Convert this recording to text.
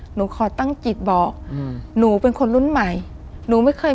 หนูขอตั้งจิตบอกอืมหนูเป็นคนรุ่นใหม่หนูไม่เคย